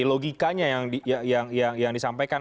logikanya yang disampaikan